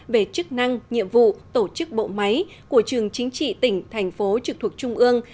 về chức năng nhiệm vụ tổ chức bộ máy của trường chính trị tỉnh thành phố trực thuộc trung ương